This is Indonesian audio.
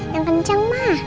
yang kencang mah